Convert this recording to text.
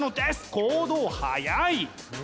行動早い！